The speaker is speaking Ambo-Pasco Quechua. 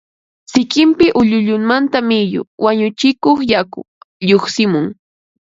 sikinpi ulluyunmanta miyu (wañuchikuq yaku) lluqsimun